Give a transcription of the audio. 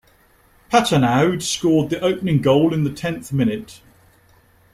Patenaude scored the opening goal in the tenth minute.